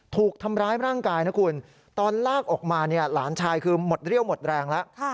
ถูกทำร้ายร่างกายนะคุณตอนลากออกมาเนี่ยหลานชายคือหมดเรี่ยวหมดแรงแล้ว